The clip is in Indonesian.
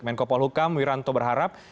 menko polhukam wiranto berharap